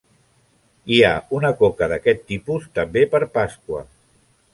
Hi ha una coca d'aquest tipus també per Pasqua.